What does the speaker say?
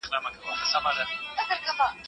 ثمر ګل وویل چې کار کول د انسان بدن روغ ساتي.